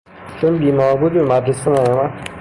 چون بیمار بود به مدرسه نیامد.